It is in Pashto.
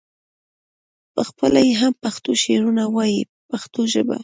پخپله یې هم پښتو شعر وایه په پښتو ژبه.